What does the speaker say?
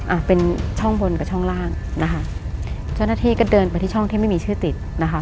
อ่ะเป็นช่องบนกับช่องล่างนะคะเจ้าหน้าที่ก็เดินไปที่ช่องที่ไม่มีชื่อติดนะคะ